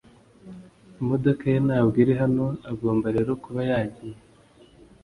Imodoka ye ntabwo iri hano agomba rero kuba yagiye